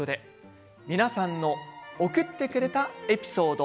皆さんの送ってくれたエピソード